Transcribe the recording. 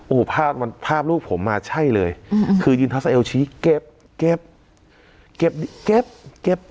โอ้โหภาพมันภาพลูกผมอ่ะใช่เลยอืมคือยืนทอัสเอลชี้เก็บเก็บ